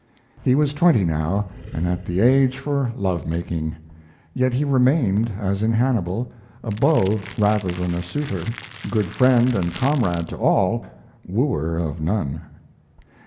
He was twenty now and at the age for love making; yet he remained, as in Hannibal, a beau rather than a suitor, good friend and comrade to all, wooer of none.